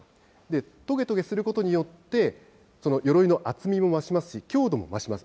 とげとげすることによって、よろいの厚みも増しますし、強度も増します。